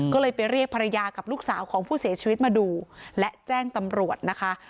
ก็เลยไปเรียกภรรยากับลูกสาวของผู้เสียชีวิตมาดูและแจ้งตำรวจนะคะ